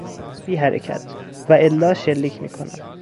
بی حرکت، والا شلیک میکنم.